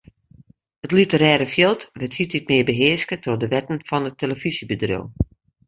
It literêre fjild wurdt hieltyd mear behearske troch de wetten fan it telefyzjebedriuw.